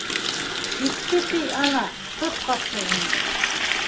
- Китте ти ана, тот ҡапсығыңды.